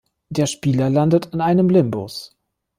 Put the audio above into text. Der Spieler landet in einem Limbus.